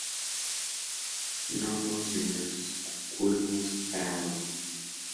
Nodos de los culmos glabros.